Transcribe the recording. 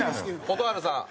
蛍原さん。